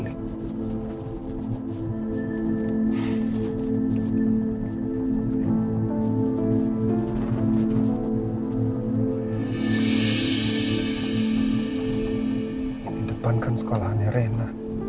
di depan kan sekolahnya rema